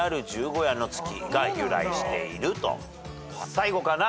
最後かな。